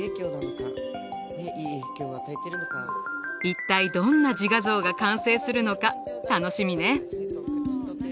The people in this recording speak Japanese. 一体どんな自画像が完成するのか楽しみね。